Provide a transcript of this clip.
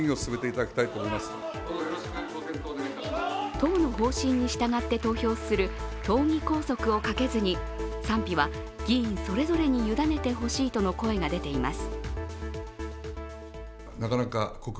党の方針に従って投票する党議拘束をかけずに賛否は議員それぞれに委ねてほしいとの声が出ています。